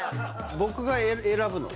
僕が選ぶの？